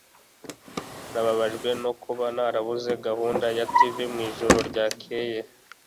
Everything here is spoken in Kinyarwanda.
mbabajwe no kuba narabuze gahunda ya tv mwijoro ryakeye